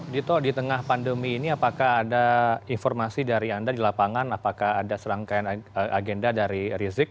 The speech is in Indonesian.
dito di tengah pandemi ini apakah ada informasi dari anda di lapangan apakah ada serangkaian agenda dari rizik